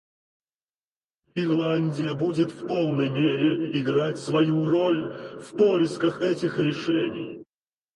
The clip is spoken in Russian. Ирландия будет в полной мере играть свою роль в поисках этих решений.